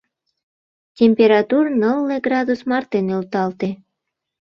Температур нылле градус марте нӧлталте.